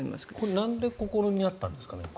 なんでここになったんですかね。